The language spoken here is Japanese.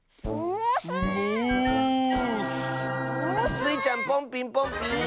スイちゃんポンピンポンピーン！